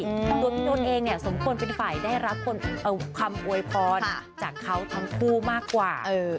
ตัวพี่โน๊ตเองเนี่ยสมควรเป็นฝ่ายได้รับคำโวยพรจากเขาทั้งคู่มากกว่า